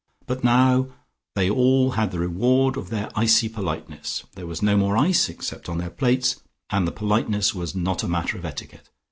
But now they all had the reward of their icy politenesses: there was no more ice, except on their plates, and the politeness was not a matter of etiquette.